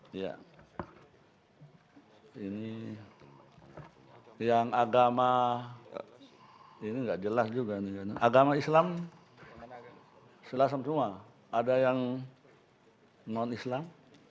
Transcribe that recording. hai ya ini yang agama ini enggak jelas juga nih agama islam silahkan semua ada yang non islam